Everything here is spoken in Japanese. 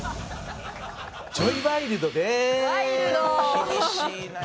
「厳しいね」